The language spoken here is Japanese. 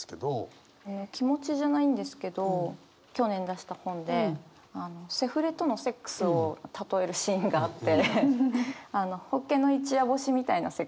気持ちじゃないんですけど去年出した本でセフレとのセックスを例えるシーンがあってホッケの一夜干しみたいなセックスをする男だっていう。